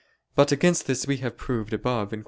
But against this we have proved above (Q.